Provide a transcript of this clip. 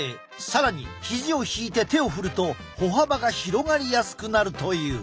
更にヒジを引いて手を振ると歩幅が広がりやすくなるという。